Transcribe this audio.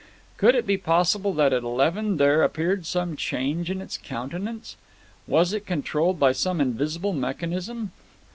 Could it be possible that at eleven there appeared some change in its countenance? Was it controlled by some invisible mechanism?